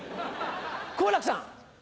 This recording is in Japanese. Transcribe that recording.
好楽さん。